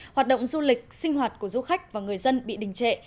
hoạt động du lịch sinh hoạt của du khách và người dân bị đình trệ